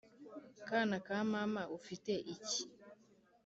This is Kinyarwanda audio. Kana ka mama ufite iki